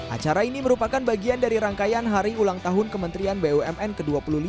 acara ini merupakan bagian dari rangkaian hari ulang tahun kementerian bumn ke dua puluh lima